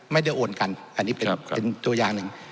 ไม่ได้โอนกันอันนี้เป็นตัวอย่างหนึ่ง